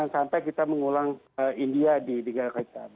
jangan sampai kita mengulang india di tiga kota